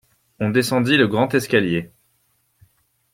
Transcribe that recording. On descendit le grand escalier.